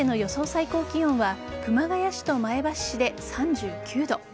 最高気温は熊谷市と前橋市で３９度。